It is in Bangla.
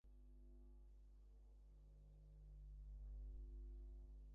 পকেটে রাখা ড্রাইভিং লাইসেন্স থেকে পুলিশ জানতে পারে, লাশটি রকিবুল ইসলামের।